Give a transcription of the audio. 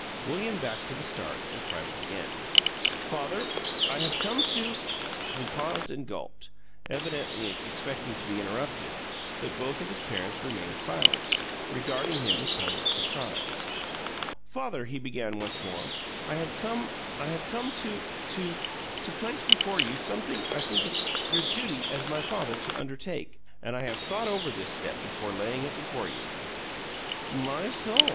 William backed to the start and tried it again. "Father, I have come to " He paused and gulped, evidently expecting to be interrupted, but both of his parents remained silent, regarding him with puzzled surprise. "Father," he began once more, "I have come I have come to to place before you something I think it's your duty as my father to undertake, and I have thought over this step before laying it before you." "My soul!"